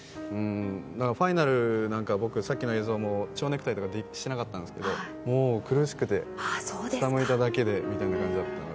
ファイナルなんか、僕はさっきの映像では蝶ネクタイとかしてなかったんですけどもう苦しくて、下向いただけでだめだったので。